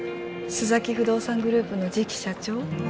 須崎不動産グループの次期社長？